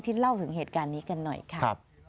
เล่าถึงเหตุการณ์นี้กันหน่อยค่ะ